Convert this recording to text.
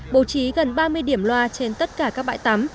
bố trí gần ba mươi điểm loa trên tất cả các bãi tắm